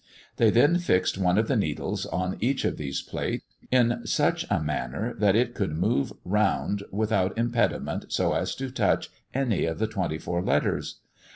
They then fixed one of the needles on each of these plates, in such a manner that it could move round without impediment so as to touch any of the twenty four letters.